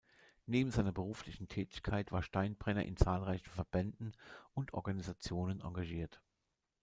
Neben seiner beruflichen Tätigkeit war Steinbrenner in zahlreichen Verbänden und Organisationen engagiert.